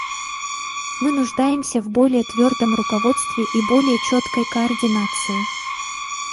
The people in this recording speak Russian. Мы нуждаемся в более твердом руководстве и более четкой координации.